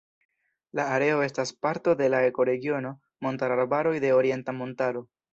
La areo estas parto de la ekoregiono Montararbaroj de Orienta Montaro.